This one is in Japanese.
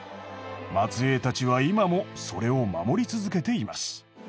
末えいたちは今もそれを守り続けています。